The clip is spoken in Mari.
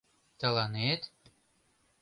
Тыланет?